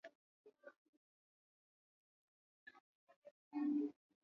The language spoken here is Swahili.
mimi wa Oliver Mtukudzi wa Zimbabwe na Africa wa Salif Keita wa nchini Mali